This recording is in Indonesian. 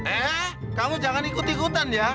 eh kamu jangan ikut ikutan ya